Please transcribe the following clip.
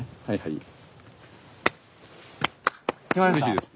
はいはい。